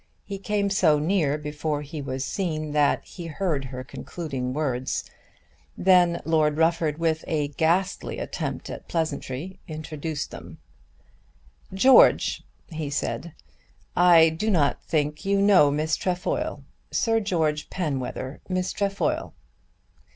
He came so near before he was seen that he heard her concluding words. Then Lord Rufford with a ghastly attempt at pleasantry introduced them. "George," he said, "I do not think you know Miss Trefoil. Sir George Penwether; Miss Trefoil."